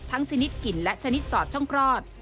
ชนิดกลิ่นและชนิดสอดช่องคลอด